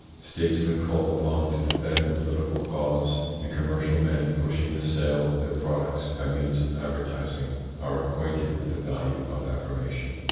Statesmen called upon to defend a political cause, and commercial men pushing the sale of their products by means of advertising are acquainted with the value of affirmation.